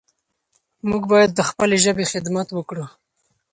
موږ باید د خپلې ژبې خدمت وکړو.